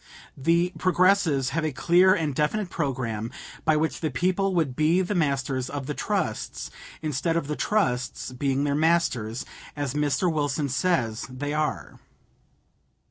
The Progressives have a clear and definite programme by which the people would be the masters of the trusts instead of the trusts being their masters, as Mr. Wilson says they are.